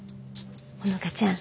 穂花ちゃん